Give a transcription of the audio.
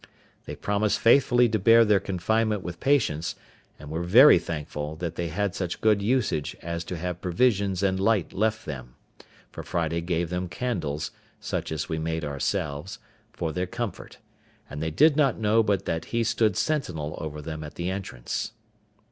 They promised faithfully to bear their confinement with patience, and were very thankful that they had such good usage as to have provisions and light left them; for Friday gave them candles (such as we made ourselves) for their comfort; and they did not know but that he stood sentinel over them at the entrance.